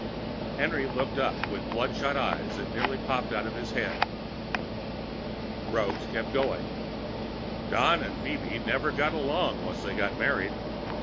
Henry looked up with bloodshot eyes nearly popping out of his head. Roggs kept going. "Don and Phoebe never got along once they were married.